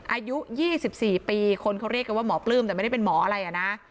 อายุ๒๔ปีคนเขาเรียกกันว่าหมอปลื้มแต่ไม่ได้เป็นหมออะไรอ่ะนะ